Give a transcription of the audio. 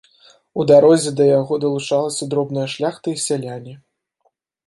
У дарозе да яго далучалася дробная шляхта і сяляне.